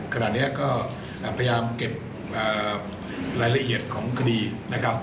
ขณะนี้ก็พยายามเก็บรายละเอียดของคดีนะครับ